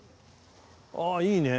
ああいいね。